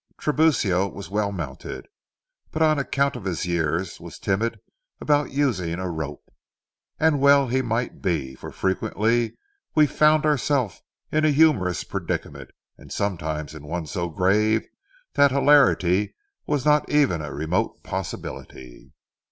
Tiburcio was well mounted, but, on account of his years, was timid about using a rope; and well he might be, for frequently we found ourselves in a humorous predicament, and sometimes in one so grave that hilarity was not even a remote possibility.